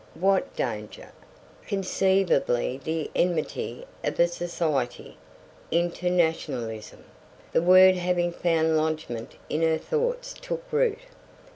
What danger? Conceivably the enmity of a society internationalism. The word having found lodgment in her thoughts took root.